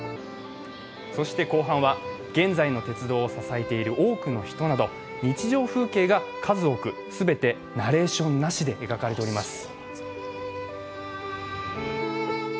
後半は現在の鉄道を支えている多くの人など日常風景が数多く、全てナレーションなしで描かれております。